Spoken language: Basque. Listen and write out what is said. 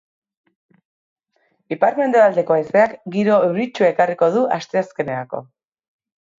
Ipar-mendebaldeko haizeak giro euritsua ekarriko du asteazkenerako.